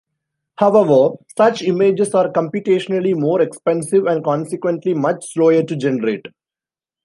However, such images are computationally more expensive and consequently much slower to generate.